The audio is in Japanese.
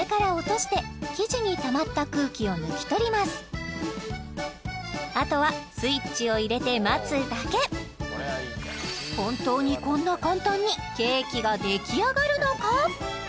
何もしてないあとはスイッチを入れて待つだけ本当にこんな簡単にケーキが出来上がるのか？